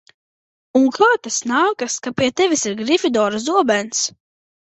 Un kā tas nākas, ka pie tevis ir Grifidora zobens?